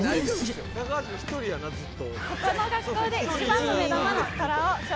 「高橋くん１人やんなずっと」